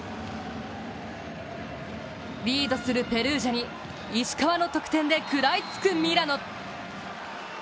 リードするペルージャに石川の得点で食らいつくミラノ。